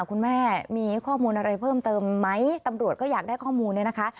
คุณแม่มีข้อมูลอะไรเพิ่มเติมไหมตำรวจก็อยากได้ข้อมูลเนี่ยนะคะ